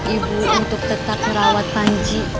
ibu untuk tetap merawat panji